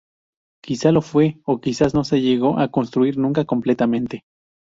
Quizá lo fue, o quizás no se llegó a construir nunca completamente.